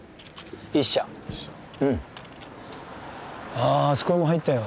あああそこも入ったよ